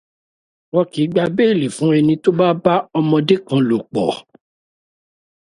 Wọn kìí gba béèlì fún ẹni tó bá bá ọmọdé kan lò pọ̀